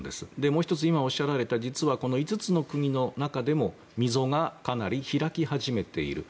もう１つ、今おっしゃられた実は５つの国の中でも溝がかなり開き始めている。